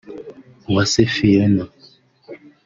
Uwase Phiona